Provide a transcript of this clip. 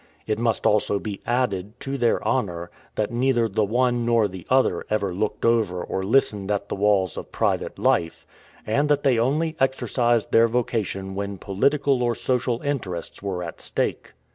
It must also be added, to their honor, that neither the one nor the other ever looked over or listened at the walls of private life, and that they only exercised their vocation when political or social interests were at stake.